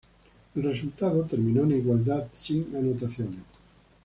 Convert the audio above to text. El resultado terminó en igualdad sin anotaciones.